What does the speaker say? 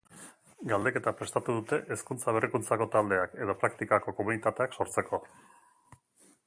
Galdeketa prestatu dute, hezkuntza-berrikuntzako taldeak edo praktikako komunitateak sortzeko.